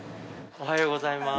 おはようございます。